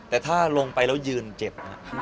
แต่ถ้าลงไปแล้วยืนเจ็บ